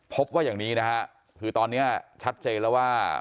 พบว่าอย่างนี้นะฮะคือตอนนี้ชัดเจนแล้วว่า